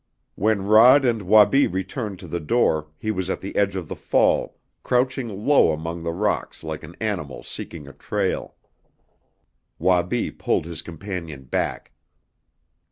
When Rod and Wabi returned to the door he was at the edge of the fall, crouching low among the rocks like an animal seeking a trail. Wabi pulled his companion back.